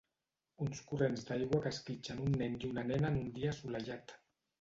Uns corrents d'aigua que esquitxen un nen i una nena en un dia assolellat.